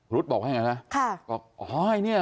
รุ๊ดบอกว่าอย่างไรนะบอกอ๋อไอ้เนี่ย